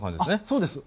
そうです。